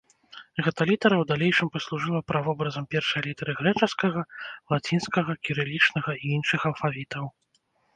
Гэта літара ў далейшым паслужыла правобразам першай літары грэчаскага, лацінскага, кірылічнага і іншых алфавітаў.